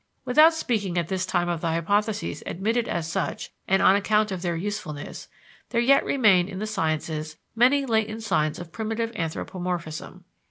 Without speaking at this time of the hypotheses admitted as such and on account of their usefulness, there yet remain in the sciences many latent signs of primitive anthropomorphism.